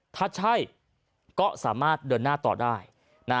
ถ้าใช่ก็สามารถเดินหน้าต่อได้นะ